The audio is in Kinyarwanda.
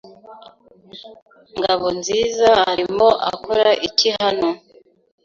Ngabonzizaarimo akora iki hano?